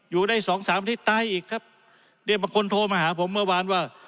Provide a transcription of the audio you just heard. อยู่ได้สองสามที่ตายอีกครับเดี๋ยวคนโทรมาหาผมเมื่อวานว่า